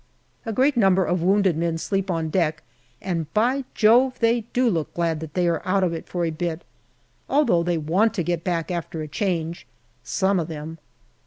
A great number of wounded men sleep on deck, and, by Jove ! they do look glad that they are out of it for a bit, although they want to get back after a change some of them.